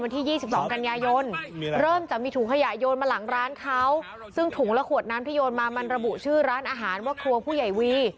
ที่ร้านเขาซึ่งถุงและขวดน้ำที่โยนมามันระบุชื่อร้านอาหารว่าครัวผู้ใหญ่วี